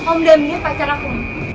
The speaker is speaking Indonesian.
om damian pacar aku